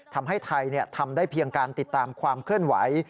ทำให้ไทยทำได้เพียงการติดตามความเคลื่อนไหว